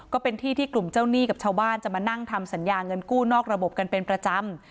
ก็เป็นที่ที่กลุ่มเจ้าหนี้กับชาวบ้านจะมานั่งทำสัญญาเงินกู้นอกระบบกันเป็นประจำ